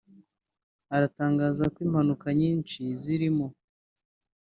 aratangaza ko impanuka nyinshi zirimo